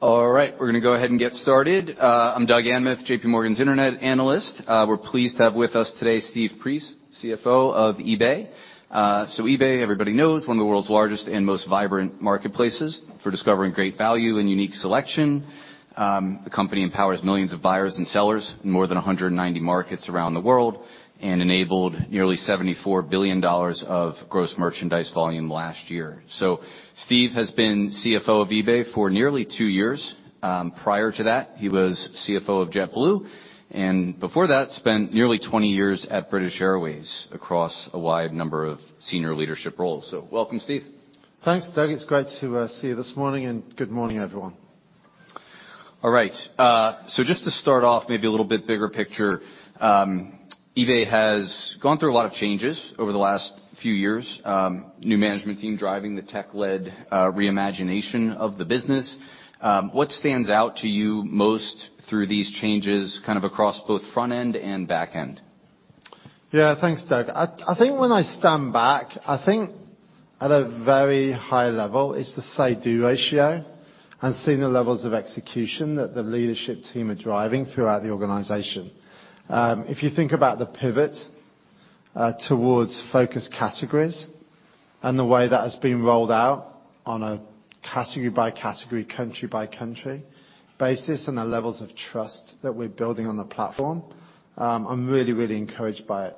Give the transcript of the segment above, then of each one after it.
All right, we're gonna go ahead and get started. I'm Douglas Anmuth, J.P. Morgan's internet analyst. We're pleased to have with us today Steve Priest, CFO of eBay. eBay, everybody knows, one of the world's largest and most vibrant marketplaces for discovering great value and unique selection. The company empowers millions of buyers and sellers in more than 190 markets around the world and enabled nearly $74 billion of gross merchandise volume last year. Steve has been CFO of eBay for nearly two years. Prior to that, he was CFO of JetBlue, and before that, spent nearly 20 years at British Airways across a wide number of senior leadership roles. Welcome, Steve. Thanks, Doug. It's great to see you this morning, and good morning, everyone. All right. Just to start off maybe a little bit bigger picture, eBay has gone through a lot of changes over the last few years, new management team driving the tech-led re-imagination of the business. What stands out to you most through these changes, kind of across both front end and back end? Yeah. Thanks, Doug. I think when I stand back, I think at a very high level it's the say-do ratio and seeing the levels of execution that the leadership team are driving throughout the organization. If you think about the pivot towards focus categories and the way that has been rolled out on a category-by-category, country-by-country basis, and the levels of trust that we're building on the platform, I'm really, really encouraged by it.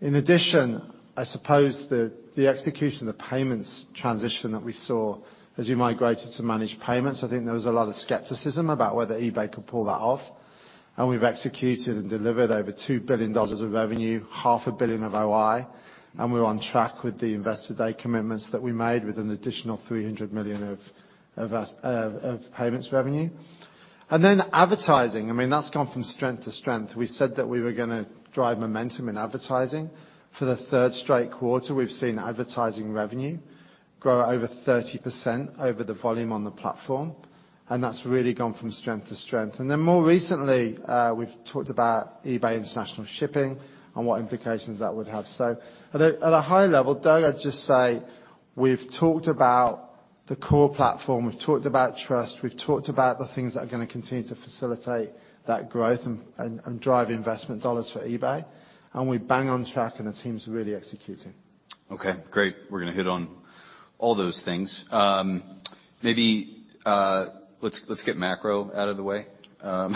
In addition, I suppose the execution of the payments transition that we saw as we migrated to managed payments, I think there was a lot of skepticism about whether eBay could pull that off, and we've executed and delivered over $2 billion of revenue, half a billion of OI, and we're on track with the investor day commitments that we made with an additional $300 million of payments revenue. Advertising, I mean, that's gone from strength to strength. We said that we were gonna drive momentum in advertising. For the third straight quarter, we've seen advertising revenue grow at over 30% over the volume on the platform, and that's really gone from strength to strength. More recently, we've talked about eBay International Shipping and what implications that would have. At a high level, Doug, I'd just say we've talked about the core platform, we've talked about trust, we've talked about the things that are gonna continue to facilitate that growth and drive investment dollars for eBay, and we're bang on track and the team's really executing. Okay. Great. We're gonna hit on all those things. Maybe, let's get macro out of the way. At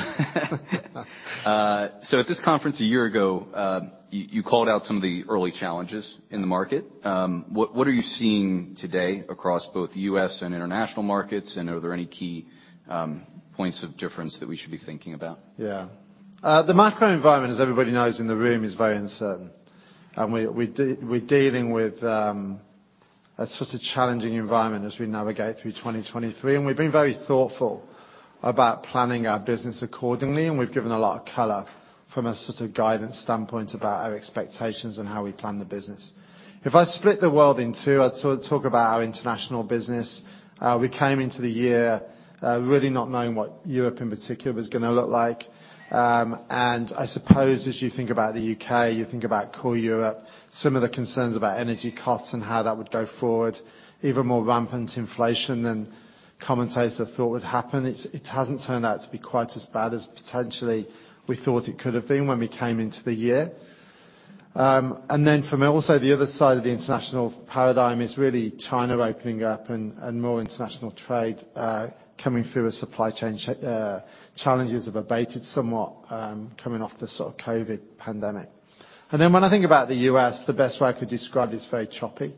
this conference a year ago, you called out some of the early challenges in the market. What are you seeing today across both US and international markets, and are there any key points of difference that we should be thinking about? Yeah. The macro environment, as everybody knows in the room, is very uncertain. We're dealing with a sort of challenging environment as we navigate through 2023, we've been very thoughtful about planning our business accordingly, we've given a lot of color from a sort of guidance standpoint about our expectations and how we plan the business. If I split the world in two, I'd sort of talk about our international business. We came into the year, really not knowing what Europe in particular was gonna look like. I suppose as you think about the UK, you think about core Europe, some of the concerns about energy costs and how that would go forward, even more rampant inflation than commentators had thought would happen. It hasn't turned out to be quite as bad as potentially we thought it could have been when we came into the year. From also the other side of the international paradigm is really China opening up and more international trade coming through as supply chain challenges have abated somewhat, coming off the sort of COVID pandemic. When I think about the U.S., the best way I could describe it's very choppy.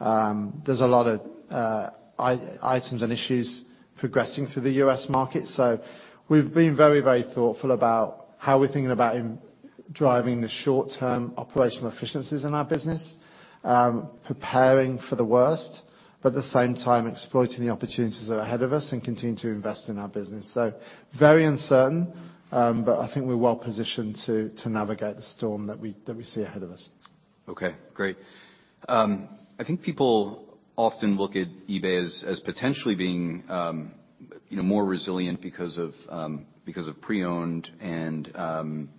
There's a lot of items and issues progressing through the U.S. market. We've been very, very thoughtful about how we're thinking about driving the short-term operational efficiencies in our business, preparing for the worst, but at the same time exploiting the opportunities that are ahead of us and continue to invest in our business. Very uncertain, but I think we're well positioned to navigate the storm that we see ahead of us. Okay. Great. I think people often look at eBay as potentially being, you know, more resilient because of pre-owned and, to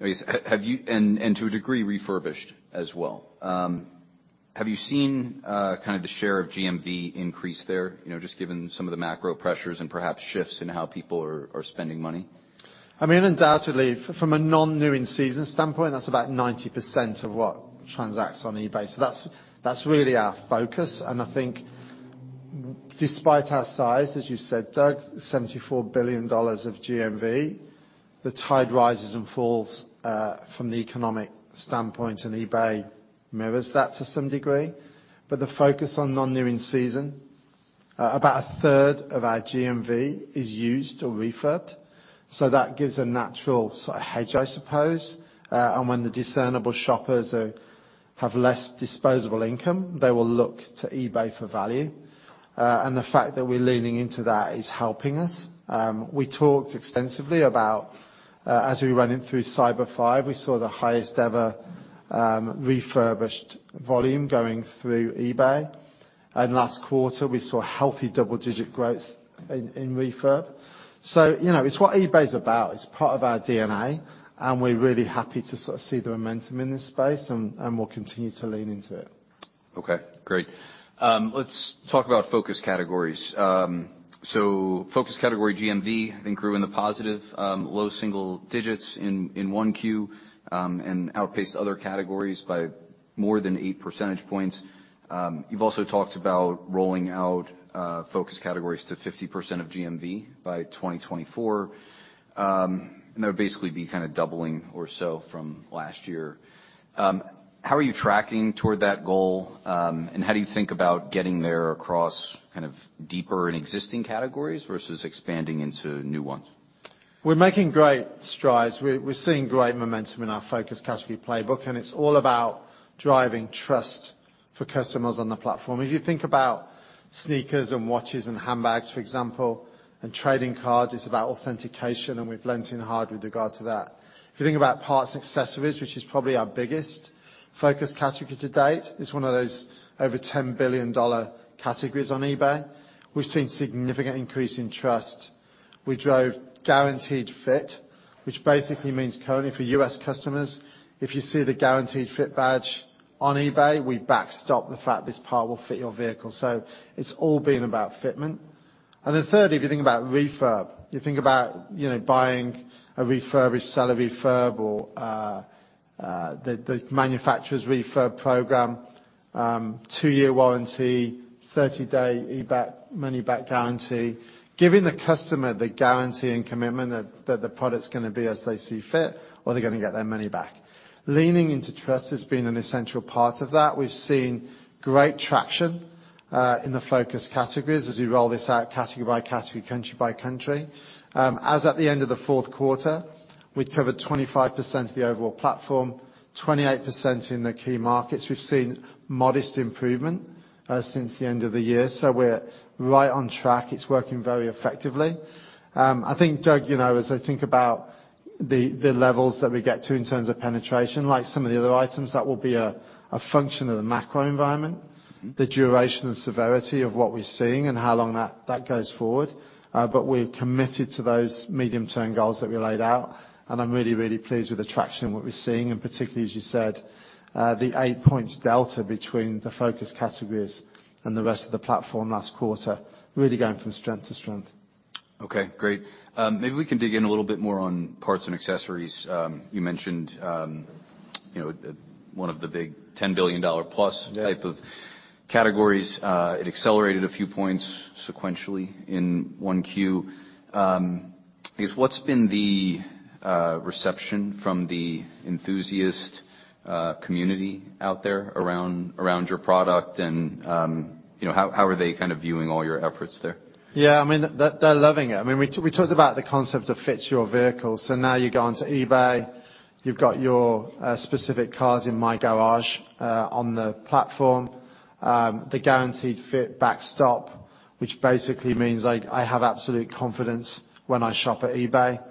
a degree, refurbished as well. Have you seen kind of the share of GMV increase there? You know, just given some of the macro pressures and perhaps shifts in how people are spending money. I mean, undoubtedly from a non-new in-season standpoint, that's about 90% of what transacts on eBay. That's really our focus. I think despite our size, as you said, Doug, $74 billion of GMV, the tide rises and falls from the economic standpoint, and eBay mirrors that to some degree. The focus on non-new in-season, about 1/3 of our GMV is used or refurbed, that gives a natural sort of hedge, I suppose. When the discernible shoppers have less disposable income, they will look to eBay for value. The fact that we're leaning into that is helping us. We talked extensively about as we were running through Cyber 5, we saw the highest ever refurbished volume going through eBay. Last quarter, we saw healthy double-digit growth in refurb. You know, it's what eBay's about. It's part of our DNA, and we're really happy to sort of see the momentum in this space and we'll continue to lean into it. Okay, great. Let's talk about focus categories. Focus category GMV, I think grew in the positive, low single digits in 1Q, and outpaced other categories by more than 8 percentage points. You've also talked about rolling out focus categories to 50% of GMV by 2024. That would basically be kinda doubling or so from last year. How are you tracking toward that goal? How do you think about getting there across kind of deeper and existing categories versus expanding into new ones? We're making great strides. We're seeing great momentum in our focus category playbook. It's all about driving trust for customers on the platform. If you think about sneakers and watches and handbags, for example, and trading cards, it's about authentication. We've leaned in hard with regard to that. If you think about parts accessories, which is probably our biggest focus category to date, it's one of those over $10 billion categories on eBay. We've seen significant increase in trust. We drove Guaranteed Fit, which basically means currently for U.S. customers, if you see the Guaranteed Fit badge on eBay, we backstop the fact this part will fit your vehicle. It's all been about fitment. Thirdly, if you think about refurb, you think about, you know, buying a refurbished seller refurb or the manufacturer's refurb program, two-year warranty, 30-day eBay money-back guarantee, giving the customer the guarantee and commitment that the product's gonna be as they see fit or they're gonna get their money back. Leaning into trust has been an essential part of that. We've seen great traction in the focus categories as we roll this out category by category, country by country. As at the end of the Q4, we'd covered 25% of the overall platform, 28% in the key markets. We've seen modest improvement since the end of the year, so we're right on track. It's working very effectively. I think, Doug, you know, as I think about the levels that we get to in terms of penetration, like some of the other items, that will be a function of the macro environment. ...the duration and severity of what we're seeing and how long that goes forward. We're committed to those medium-term goals that we laid out. I'm really pleased with the traction, what we're seeing, and particularly, as you said, the 8 points delta between the focus categories and the rest of the platform last quarter, really going from strength to strength. Okay, great. maybe we can dig in a little bit more on parts and accessories. you mentioned, you know, one of the big 10 billion dollar plus- Yeah... type of categories. It accelerated a few points sequentially in 1Q. I guess, what's been the reception from the enthusiast community out there around your product and, you know, how are they kind of viewing all your efforts there? I mean, they're loving it. I mean, we talked about the concept of fits your vehicle. Now you go onto eBay, you've got your specific cars in My Garage on the platform. The Guaranteed Fit backstop, which basically means I have absolute confidence when I shop at eBay.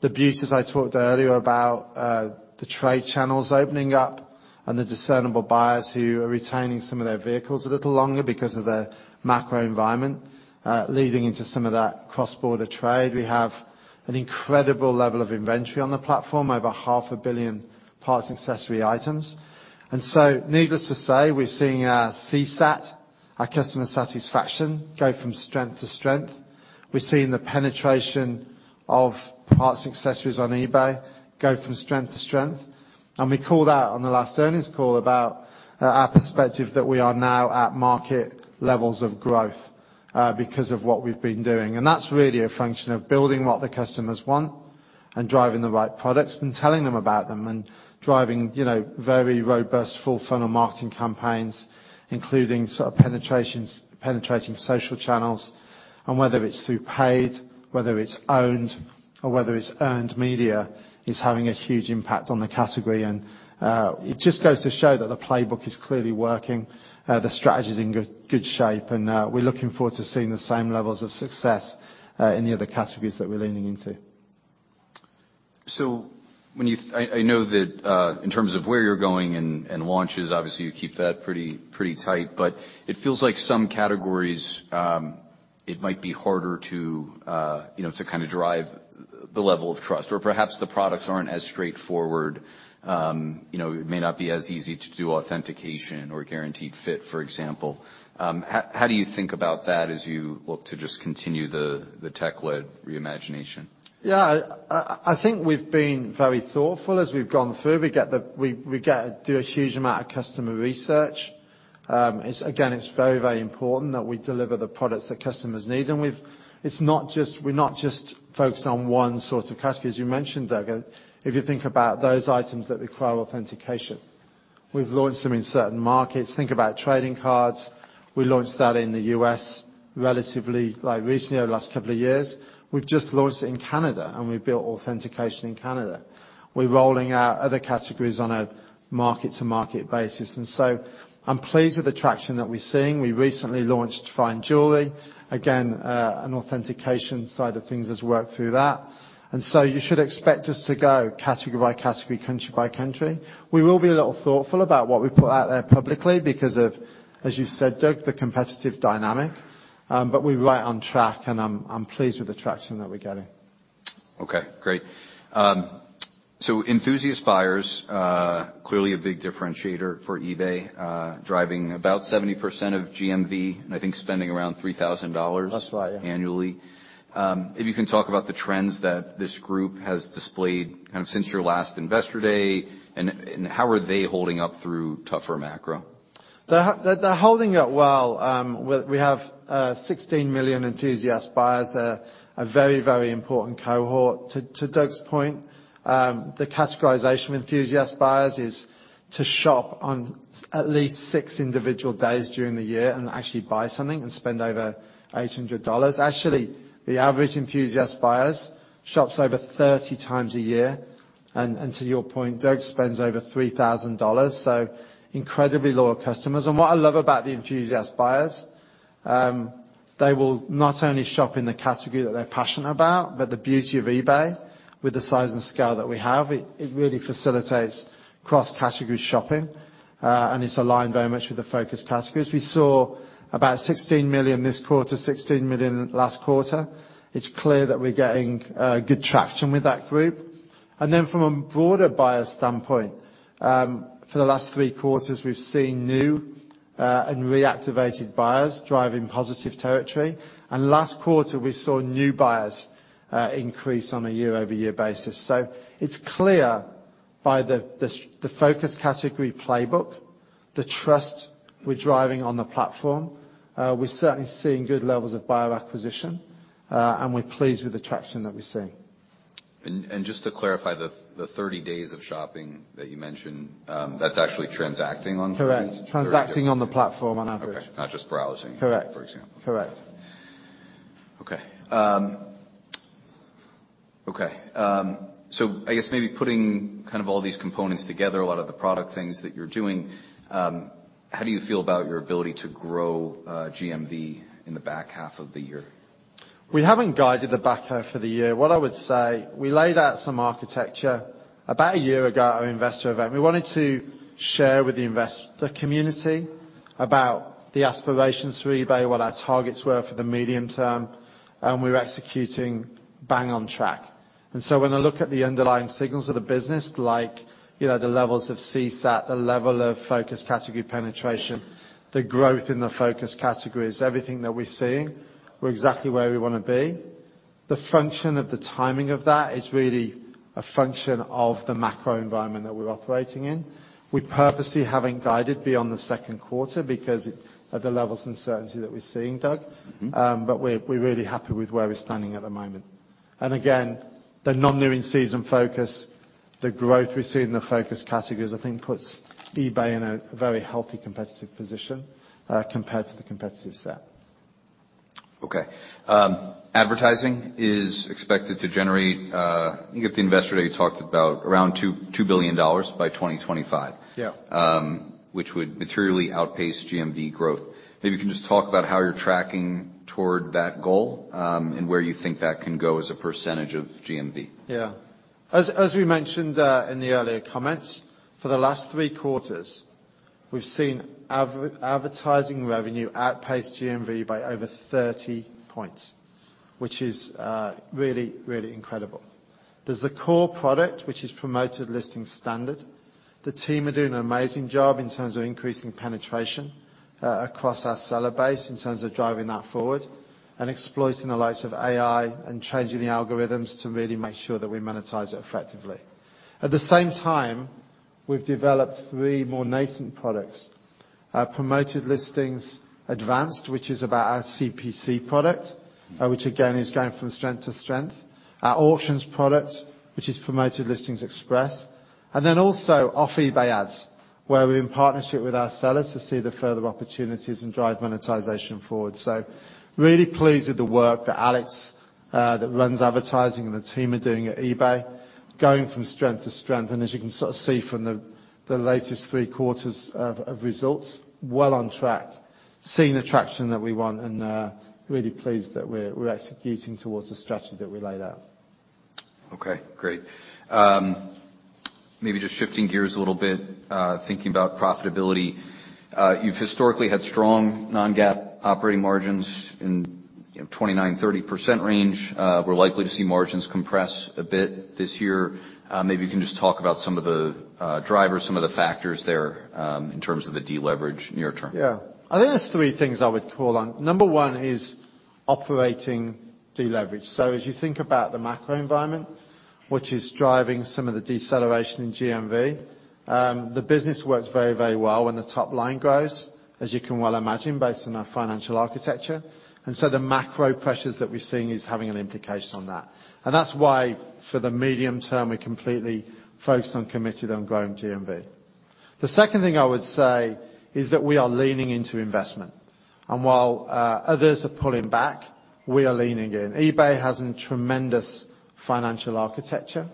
The beauties I talked earlier about the trade channels opening up and the discernible buyers who are retaining some of their vehicles a little longer because of the macro environment leading into some of that cross-border trade. We have an incredible level of inventory on the platform, over half a billion parts and accessory items. Needless to say, we're seeing our CSAT, our customer satisfaction, go from strength to strength. We're seeing the penetration of parts and accessories on eBay go from strength to strength. We called out on the last earnings call about our perspective that we are now at market levels of growth because of what we've been doing. That's really a function of building what the customers want and driving the right products and telling them about them and driving, you know, very robust full-funnel marketing campaigns, including sort of penetrations, penetrating social channels, and whether it's through paid, whether it's owned or whether it's earned media, is having a huge impact on the category. It just goes to show that the playbook is clearly working, the strategy's in good shape, and we're looking forward to seeing the same levels of success in the other categories that we're leaning into. When you, I know that in terms of where you're going and launches, obviously you keep that pretty tight, but it feels like some categories, it might be harder to, you know, to kinda drive the level of trust or perhaps the products aren't as straightforward. You know, it may not be as easy to do authentication or Guaranteed Fit, for example. How do you think about that as you look to just continue the tech-led re-imagination? Yeah. I think we've been very thoughtful as we've gone through. We do a huge amount of customer research. Again, it's very, very important that we deliver the products that customers need. We're not just focused on one sort of category. As you mentioned, Doug, if you think about those items that require authentication, we've launched them in certain markets. Think about trading cards. We launched that in the U.S. relatively, like recently, over the last 2 years. We've just launched in Canada, and we built authentication in Canada. We're rolling out other categories on a market-to-market basis. I'm pleased with the traction that we're seeing. We recently launched fine jewelry. Again, an authentication side of things has worked through that. You should expect us to go category by category, country by country. We will be a little thoughtful about what we put out there publicly because of, as you said, Doug, the competitive dynamic. But we're right on track, and I'm pleased with the traction that we're getting. Okay, great. Enthusiast buyers, clearly a big differentiator for eBay, driving about 70% of GMV and I think spending around $3,000. That's right, yeah. annually. If you can talk about the trends that this group has displayed kind of since your last Investor Day, and how are they holding up through tougher macro? They're holding up well. We have 16 million enthusiast buyers. They're a very important cohort. To Doug's point, the categorization of enthusiast buyers is to shop on at least 6 individual days during the year and actually buy something and spend over $800. Actually, the average enthusiast buyers shops over 30 times a year. To your point, Doug, spends over $3,000, so incredibly loyal customers. What I love about the enthusiast buyers, they will not only shop in the category that they're passionate about, but the beauty of eBay with the size and scale that we have, it really facilitates cross-category shopping. It's aligned very much with the focus categories. We saw about 16 million this quarter, 16 million last quarter. It's clear that we're getting good traction with that group. From a broader buyer standpoint, for the last 3 quarters, we've seen new and reactivated buyers driving positive territory. Last quarter, we saw new buyers increase on a year-over-year basis. It's clear by the focus category playbook, the trust we're driving on the platform, we're certainly seeing good levels of buyer acquisition, and we're pleased with the traction that we're seeing. Just to clarify, the 30 days of shopping that you mentioned, that's actually transacting on... Correct. 30 different Transacting on the platform on average. Okay. Not just browsing- Correct for example. Correct. Okay. Okay. I guess maybe putting kind of all these components together, a lot of the product things that you're doing, how do you feel about your ability to grow, GMV in the back half of the year? We haven't guided the back half for the year. What I would say, we laid out some architecture about a year ago at our investor event. We wanted to share with the community about the aspirations for eBay, what our targets were for the medium term, and we're executing bang on track. When I look at the underlying signals of the business, like, you know, the levels of CSAT, the level of focus category penetration, the growth in the focus categories, everything that we're seeing, we're exactly where we wanna be. The function of the timing of that is really a function of the macro environment that we're operating in. We purposely haven't guided beyond the Q2 because of the levels of uncertainty that we're seeing, Doug. We're really happy with where we're standing at the moment. Again, the non-new-in-season focus, the growth we're seeing in the focus categories, I think puts eBay in a very healthy, competitive position, compared to the competitive set. Advertising is expected to generate, I think at the Investor Day, you talked about around $2 billion by 2025. Yeah. Which would materially outpace GMV growth. Maybe you can just talk about how you're tracking toward that goal, and where you think that can go as a % of GMV. Yeah. As we mentioned, in the earlier comments, for the last three quarters, we've seen advertising revenue outpace GMV by over 30 points, which is really, really incredible. There's the core product, which is Promoted Listings Standard. The team are doing an amazing job in terms of increasing penetration across our seller base, in terms of driving that forward and exploiting the likes of AI and changing the algorithms to really make sure that we monetize it effectively. At the same time, we've developed three more nascent products. Promoted Listings Advanced, which is about our CPC product, which again, is going from strength to strength. Our auctions product, which is Promoted Listings Express. Also, Off-eBay ads, where we're in partnership with our sellers to see the further opportunities and drive monetization forward. Really pleased with the work that Alex, that runs advertising and the team are doing at eBay, going from strength to strength. As you can sort of see from the latest three quarters of results, well on track. Seeing the traction that we want and, really pleased that we're executing towards the strategy that we laid out. Okay, great. Maybe just shifting gears a little bit, thinking about profitability. You've historically had strong non-GAAP operating margins in, you know, 29%-30% range. We're likely to see margins compress a bit this year. Maybe you can just talk about some of the drivers, some of the factors there, in terms of the deleverage near term. I think there's three things I would call on. Number one is operating deleverage. As you think about the macro environment, which is driving some of the deceleration in GMV, the business works very well when the top line grows, as you can well imagine based on our financial architecture. The macro pressures that we're seeing is having an implication on that. That's why for the medium term, we're completely focused and committed on growing GMV. The second thing I would say is that we are leaning into investment. While others are pulling back, we are leaning in. eBay has a tremendous financial architecture.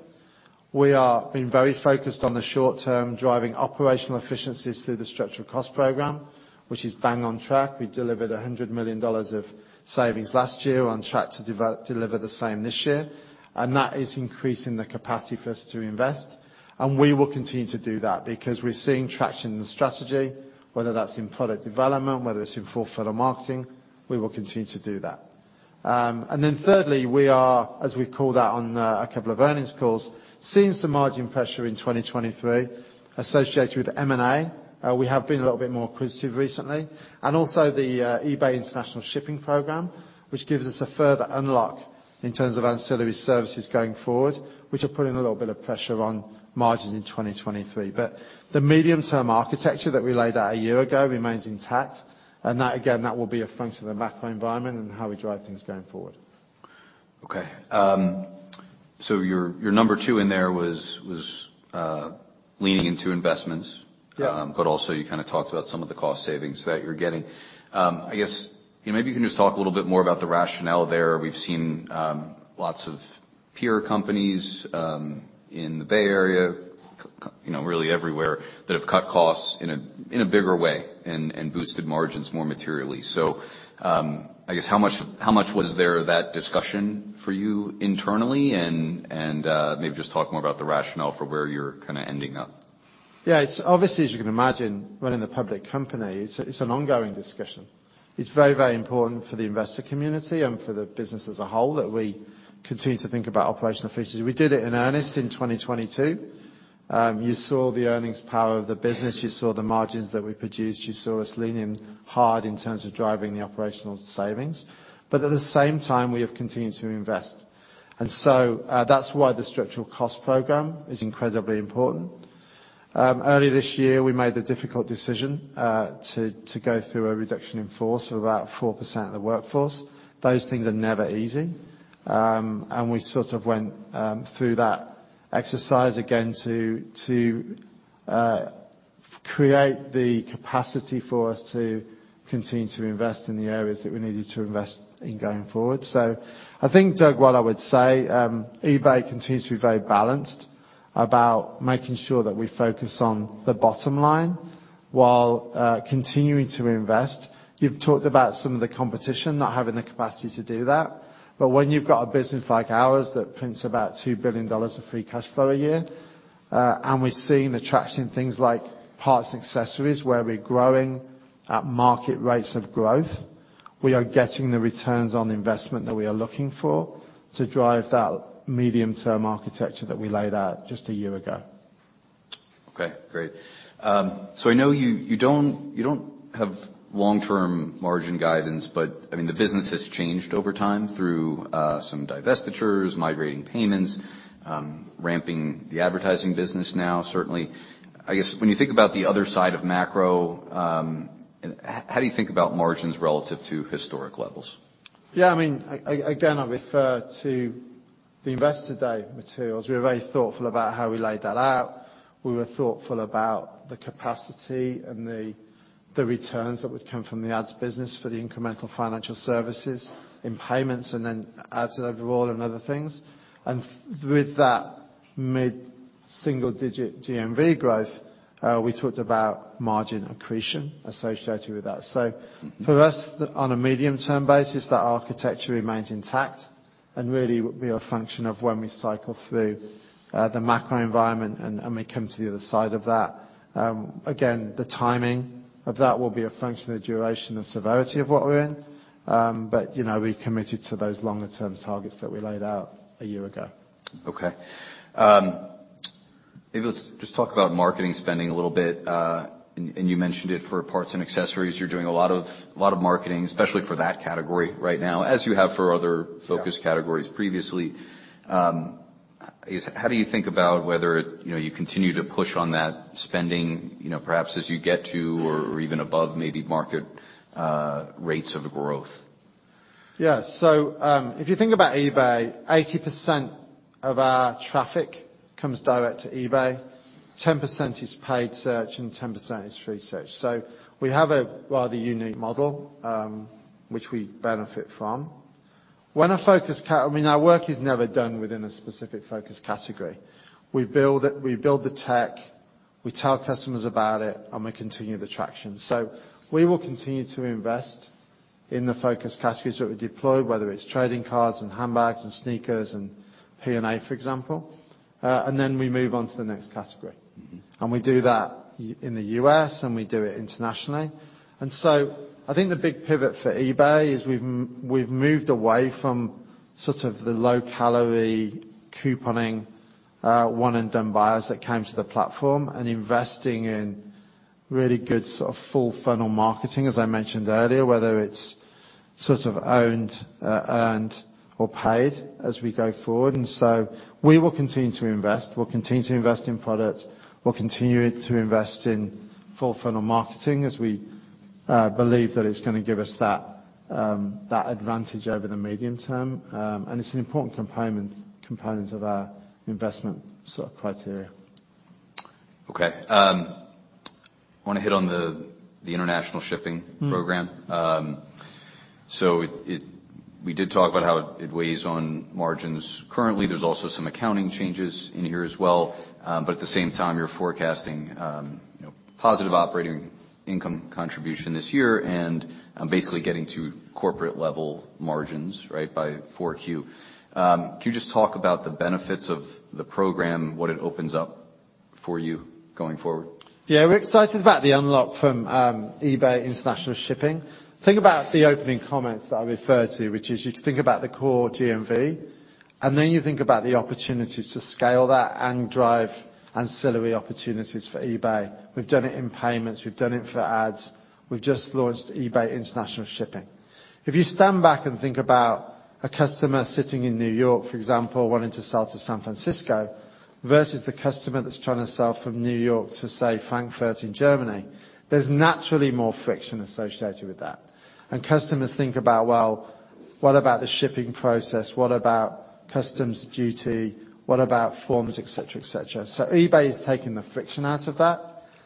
We are being very focused on the short term, driving operational efficiencies through the structural cost program, which is bang on track. We delivered $100 million of savings last year. We're on track to deliver the same this year, and that is increasing the capacity for us to invest, and we will continue to do that because we're seeing traction in the strategy, whether that's in product development, whether it's in full-funnel marketing. We will continue to do that. Thirdly, we are, as we've called out on a couple of earnings calls, seeing some margin pressure in 2023 associated with M&A. We have been a little bit more acquisitive recently, and also the eBay International Shipping program, which gives us a further unlock in terms of ancillary services going forward, which are putting a little bit of pressure on margins in 2023. The medium-term architecture that we laid out a year ago remains intact, and that, again, that will be a function of the macro environment and how we drive things going forward. Okay. your number two in there was leaning into investments. Yeah. Also you kind of talked about some of the cost savings that you're getting. I guess, you know, maybe you can just talk a little bit more about the rationale there. We've seen lots of peer companies in the Bay Area, you know, really everywhere, that have cut costs in a bigger way and boosted margins more materially. I guess, how much was there that discussion for you internally, and maybe just talk more about the rationale for where you're kinda ending up. Yeah. It's obviously, as you can imagine, running a public company, it's an ongoing discussion. It's very important for the investor community and for the business as a whole that we continue to think about operational efficiency. We did it in earnest in 2022. You saw the earnings power of the business, you saw the margins that we produced, you saw us leaning hard in terms of driving the operational savings. At the same time, we have continued to invest. That's why the structural cost program is incredibly important. Early this year we made the difficult decision to go through a reduction in force of about 4% of the workforce. Those things are never easy. We sort of went through that exercise again to create the capacity for us to continue to invest in the areas that we needed to invest in going forward. I think, Doug, what I would say, eBay continues to be very balanced about making sure that we focus on the bottom line while continuing to invest. You've talked about some of the competition not having the capacity to do that. When you've got a business like ours that prints about $2 billion of free cash flow a year, and we're seeing the traction in things like parts and accessories, where we're growing at market rates of growth, we are getting the returns on investment that we are looking for to drive that medium-term architecture that we laid out just a year ago. Okay. Great. I know you don't, you don't have long-term margin guidance, but, I mean, the business has changed over time through some divestitures, migrating payments, ramping the advertising business now, certainly. I guess, when you think about the other side of macro, how do you think about margins relative to historic levels? Yeah, I mean, again, I refer to the Investor Day materials. We were very thoughtful about how we laid that out. We were thoughtful about the capacity and the returns that would come from the ads business for the incremental financial services in payments, and then ads overall and other things. With that mid-single-digit GMV growth, we talked about margin accretion associated with that. For us, on a medium-term basis, that architecture remains intact and really would be a function of when we cycle through the macro environment and we come to the other side of that. Again, the timing of that will be a function of the duration and severity of what we're in. You know, we're committed to those longer-term targets that we laid out a year ago. Okay. Maybe let's just talk about marketing spending a little bit. You mentioned it for parts and accessories. You're doing a lot of marketing, especially for that category right now, as you have for other focus categories previously. I guess, how do you think about whether, you know, you continue to push on that spending, you know, perhaps as you get to or even above maybe market, rates of growth? If you think about eBay, 80% of our traffic comes direct to eBay, 10% is paid search, and 10% is free search. We have a rather unique model, which we benefit from. I mean, our work is never done within a specific focus category. We build it, we build the tech, we tell customers about it, and we continue the traction. We will continue to invest in the focus categories that we deploy, whether it's trading cards and handbags and sneakers and P&A, for example. We move on to the next category. We do that in the U.S., and we do it internationally. I think the big pivot for eBay is we've moved away from sort of the low-calorie couponing, one-and-done buyers that came to the platform, and investing in really good sort of full-funnel marketing, as I mentioned earlier, whether it's sort of owned, earned, or paid as we go forward. We will continue to invest. We'll continue to invest in product. We'll continue to invest in full-funnel marketing as we believe that it's gonna give us that advantage over the medium term. It's an important component of our investment sort of criteria. I wanna hit on the International Shipping Program. We did talk about how it weighs on margins currently. There's also some accounting changes in here as well. At the same time, you're forecasting, you know, positive operating income contribution this year, and basically getting to corporate level margins, right, by 4Q. Can you just talk about the benefits of the program, what it opens up for you going forward? We're excited about the unlock from eBay International Shipping. Think about the opening comments that I referred to, which is you think about the core GMV, and then you think about the opportunities to scale that and drive ancillary opportunities for eBay. We've done it in payments. We've done it for ads. We've just launched eBay International Shipping. If you stand back and think about a customer sitting in New York, for example, wanting to sell to San Francisco versus the customer that's trying to sell from New York to say Frankfurt in Germany, there's naturally more friction associated with that. Customers think about, well, what about the shipping process? What about customs duty? What about forms, et cetera, et cetera? eBay is taking the friction out of that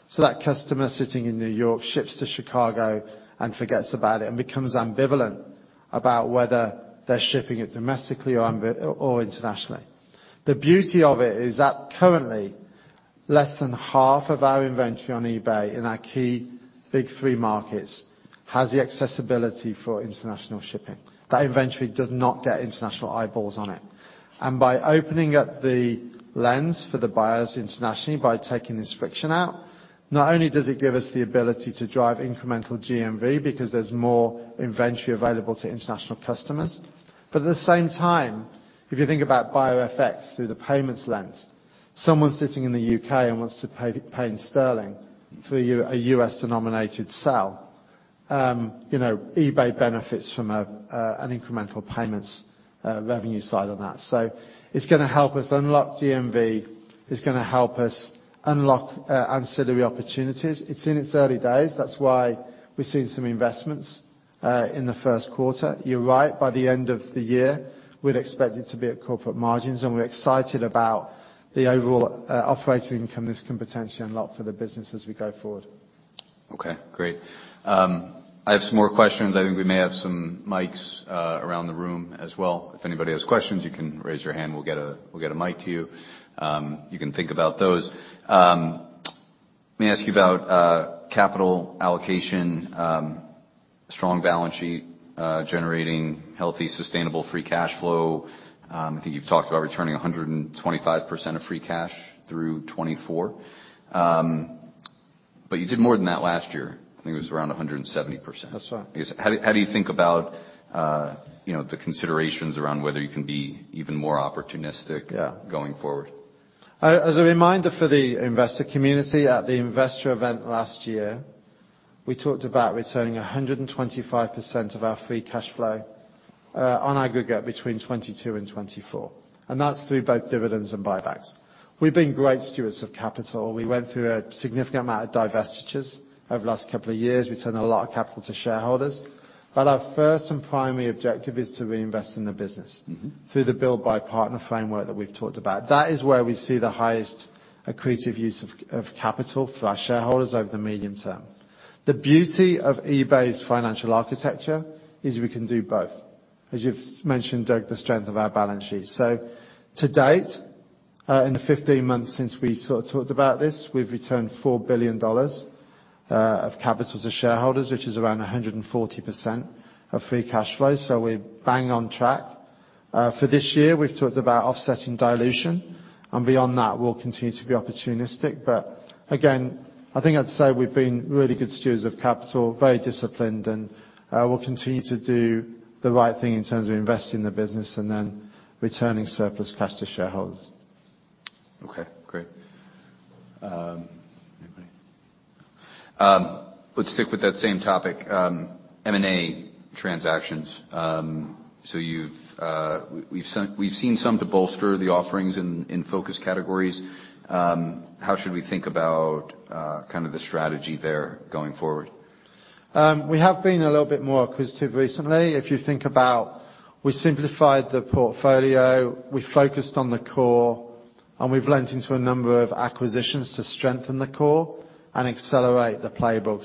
so that customer sitting in New York ships to Chicago and forgets about it and becomes ambivalent about whether they're shipping it domestically or internationally. The beauty of it is that currently less than half of our inventory on eBay in our key big three markets has the accessibility for international shipping. That inventory does not get international eyeballs on it. By opening up the lens for the buyers internationally, by taking this friction out, not only does it give us the ability to drive incremental GMV because there's more inventory available to international customers, but at the same time, if you think about buyer effects through the payments lens, someone sitting in the UK and wants to pay in GBP for a US-denominated sell, you know, eBay benefits from an incremental payments revenue side on that. It's gonna help us unlock GMV. It's gonna help us unlock ancillary opportunities. It's in its early days. That's why we've seen some investments in the Q1. You're right, by the end of the year, we'd expect it to be at corporate margins. We're excited about the overall operating income this can potentially unlock for the business as we go forward. Okay, great. I have some more questions. I think we may have some mics around the room as well. If anybody has questions, you can raise your hand. We'll get a mic to you. You can think about those. Let me ask you about capital allocation, strong balance sheet, generating healthy, sustainable free cash flow. I think you've talked about returning 125% of free cash through 2024. You did more than that last year. I think it was around 170%. That's right. How do you think about, you know, the considerations around whether you can be even more opportunistic-? Yeah. going forward? As a reminder for the investor community, at the investor event last year, we talked about returning 125% of our free cash flow on aggregate between 2022 and 2024, and that's through both dividends and buybacks. We've been great stewards of capital. We went through a significant amount of divestitures over the last couple of years. We returned a lot of capital to shareholders. Our first and primary objective is to reinvest in the business- -through the build/buy partner framework that we've talked about. That is where we see the highest accretive use of capital for our shareholders over the medium term. The beauty of eBay's financial architecture is we can do both. As you've mentioned, Doug, the strength of our balance sheet. To date, in the 15 months since we sort of talked about this, we've returned $4 billion of capital to shareholders, which is around 140% of free cash flow, so we're bang on track. For this year, we've talked about offsetting dilution, and beyond that, we'll continue to be opportunistic. Again, I think I'd say we've been really good stewards of capital, very disciplined, and we'll continue to do the right thing in terms of investing in the business and then returning surplus cash to shareholders. Great. Anybody? Let's stick with that same topic, M&A transactions. You've, we've seen some to bolster the offerings in focus categories. How should we think about the strategy there going forward? We have been a little bit more acquisitive recently. We simplified the portfolio, we focused on the core, and we've lent into a number of acquisitions to strengthen the core and accelerate the playbook.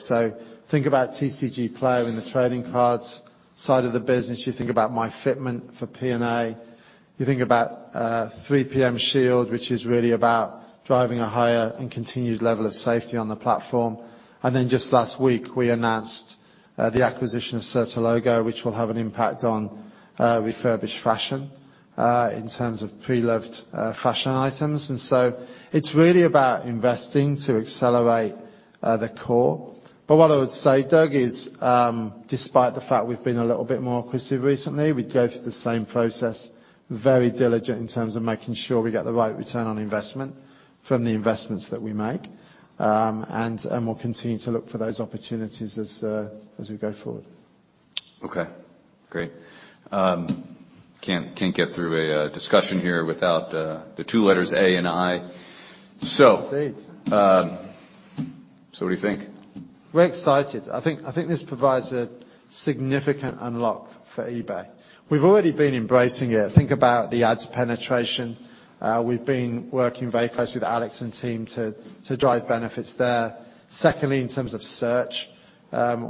Think about TCGplayer in the trading cards side of the business. You think about myFitment for P&A. You think about, 3PM Shield, which is really about driving a higher and continued level of safety on the platform. Just last week, we announced, the acquisition of Certilogo, which will have an impact on, refurbished fashion, in terms of pre-loved, fashion items. It's really about investing to accelerate, the core. What I would say, Doug, is, despite the fact we've been a little bit more acquisitive recently, we go through the same process, very diligent in terms of making sure we get the right return on investment from the investments that we make. We'll continue to look for those opportunities as we go forward. Okay, great. can't get through a discussion here without the two letters A and I. Indeed. What do you think? We're excited. I think this provides a significant unlock for eBay. We've already been embracing it. Think about the ads penetration. We've been working very closely with Alex and team to drive benefits there. Secondly, in terms of search,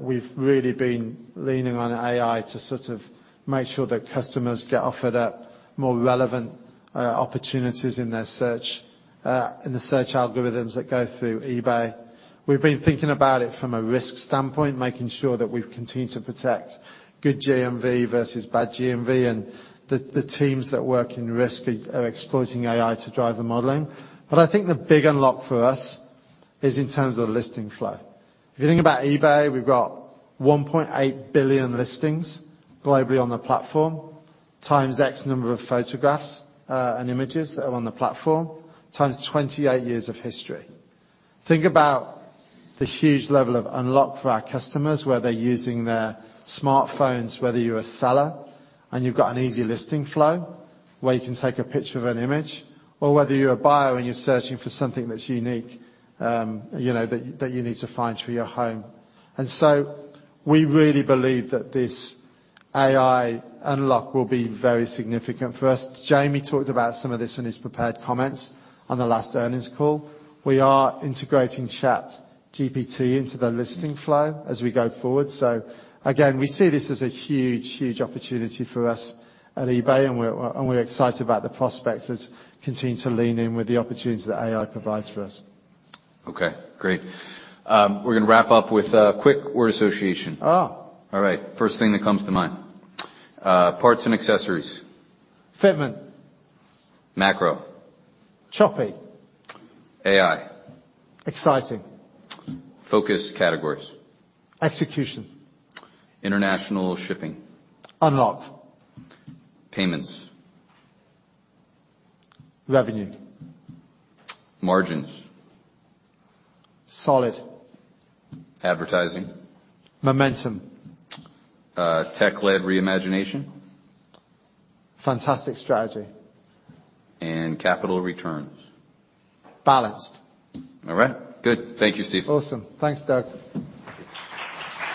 we've really been leaning on AI to sort of make sure that customers get offered up more relevant opportunities in their search, in the search algorithms that go through eBay. We've been thinking about it from a risk standpoint, making sure that we continue to protect good GMV versus bad GMV, and the teams that work in risk are exploiting AI to drive the modeling. I think the big unlock for us-Is in terms of the listing flow. If you think about eBay, we've got 1.8 billion listings globally on the platform, times X number of photographs, and images that are on the platform, times 28 years of history. Think about the huge level of unlock for our customers, where they're using their smartphones, whether you're a seller and you've got an easy listing flow, where you can take a picture of an image, or whether you're a buyer and you're searching for something that's unique, you know, that you need to find for your home. We really believe that this AI unlock will be very significant for us. Jamie talked about some of this in his prepared comments on the last earnings call. We are integrating ChatGPT into the listing flow as we go forward. Again, we see this as a huge opportunity for us at eBay, and we're excited about the prospects as continue to lean in with the opportunities that AI provides for us. Okay. Great. We're gonna wrap up with a quick word association. Oh. All right. First thing that comes to mind. parts and accessories. Fitment. Macro. Choppy. AI. Exciting. Focused categories. Execution. International Shipping. Unlock. Payments. Revenue. Margins. Solid. Advertising. Momentum. Tech-led reimagination. Fantastic strategy. Capital returns. Balanced. All right. Good. Thank you, Steve. Awesome. Thanks, Doug.